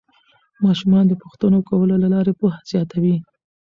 ماشومان د پوښتنو کولو له لارې پوهه زیاتوي